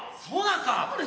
そうなんすか？